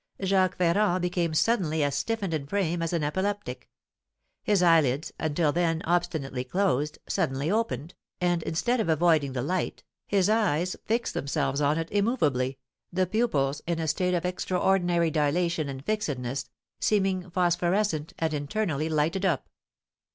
Jacques Ferrand became suddenly as stiffened in frame as an epileptic; his eyelids, until then obstinately closed, suddenly opened, and, instead of avoiding the light, his eyes fixed themselves on it immovably, the pupils, in a state of extraordinary dilation and fixedness, seeming phosphorescent and internally lighted up.